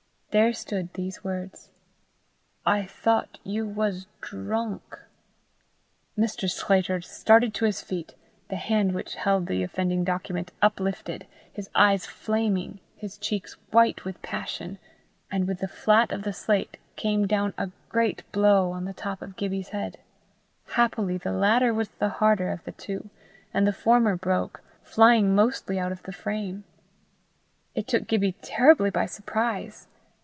There stood these words: "I thought you was drunnk." Mr. Sclater started to his feet, the hand which held the offending document uplifted, his eyes flaming, his checks white with passion, and with the flat of the slate came down a great blow on the top of Gibbie's head. Happily the latter was the harder of the two, and the former broke, flying mostly out of the frame. It took Gibbie terribly by surprise.